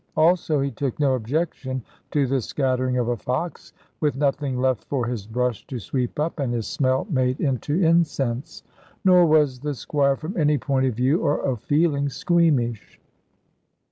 Also, he took no objection to the scattering of a fox, with nothing left for his brush to sweep up, and his smell made into incense; nor was the Squire, from any point of view, or of feeling, squeamish.